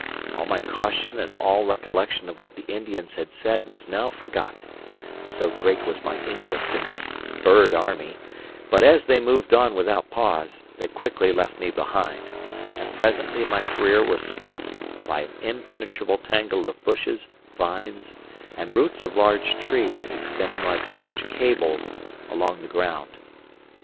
All my caution and all recollection of what the Indians had said was now forgot, so great was my interest in this bird army; but as they moved on without pause, they quickly left me behind, and presently my career was stopped by an impenetrable tangle of bushes, vines, and roots of large trees extending like huge cables along the ground.